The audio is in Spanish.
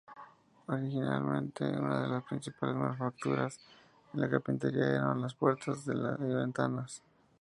Originalmente, una de las principales manufacturas en la carpintería eran las puertas y ventanas.